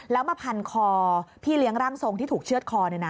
แล้วมาพันคอพี่เลี้ยงร่างทรงที่ถูกเชื่อดคอ